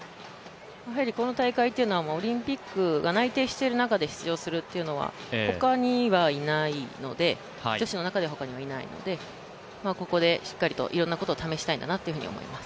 この大会というのはオリンピックが内定てしいる中で出場するというのは女子の中では他にはいないので、ここでしっかりといろんなことを試したいんだなと思います。